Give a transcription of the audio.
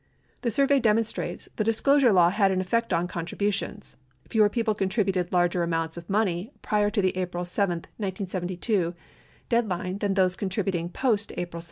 The sur vey demonstrates the disclosure law had an effect on contributions : fewer people contributed larger amounts of money prior to the April 7, 1972, deadline than those contributing post April 7.